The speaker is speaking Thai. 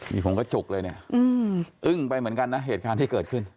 นี่ผมก็จุกเลยเนี่ยอึ้งไปเหมือนกันนะเหตุการณ์ที่เกิดขึ้น